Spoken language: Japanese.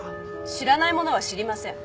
知らないものは知りません。